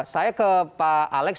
saya ke pak alex